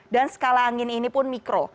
dan skala angin ini pun mikro